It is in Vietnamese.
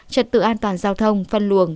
trật tự an toàn giao thông phân luồng